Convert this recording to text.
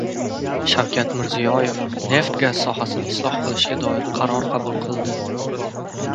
Shavkat Mirziyoyev neft-gaz sohasini isloh qilishga doir qaror qabul qildi